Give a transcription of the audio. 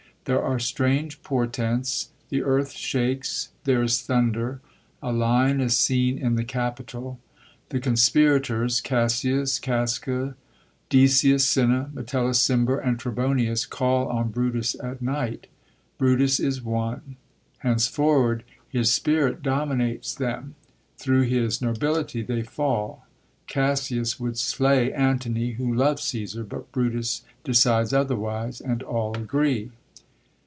There are strange portents : the earth shakes ; there is thunder ; a lion is seen in the Capitol. The conspirators, Cassius, Casca, Decius, Cinna, Metellus Cimber, and Trebonius, call on Brutus at night. Brutus is won. Henceforward his spirit dominates them ; thru his nobility they fall. Cassius would slay Antony, who loves Csesar ; but Brutus decides otherwise, and all agree.